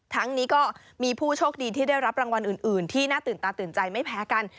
ทั้งนี้ก็มีผู้โชคดีที่ได้รับรางวัลอื่นที่น่าตื่นตาตื่นใจไม่แพ้กัน